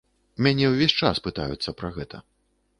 Мяне ўвесь час пытаюцца пра гэта.